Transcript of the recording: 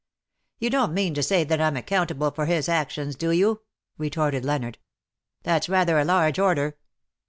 " You don^t mean to say that I^m accountable for his actions,, do you ?" retorted Leonard. " That^s rather a large order."